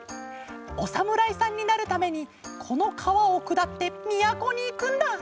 おさむらいさんになるためにこのかわをくだってみやこにいくんだ。